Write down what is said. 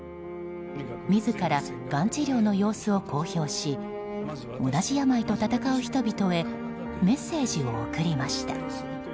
自ら、がん治療の様子を公表し同じ病と闘う人々へメッセージを送りました。